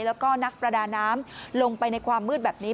แล้วก็นักประดาน้ำลงไปในความมืดแบบนี้